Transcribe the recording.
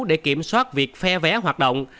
để kiểm soát việc phe vé hoạt động